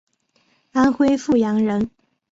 安徽阜阳人。